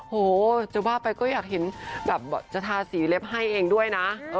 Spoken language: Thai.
โหจะว่าไปก็อยากเห็นแบบจะทาสีเล็บให้เองด้วยนะ